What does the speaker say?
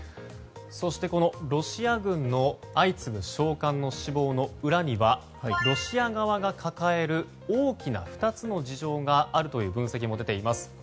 そして、ロシア軍の相次ぐ将官の死亡の裏にはロシア側が抱える大きな２つの事情があるという分析も出ています。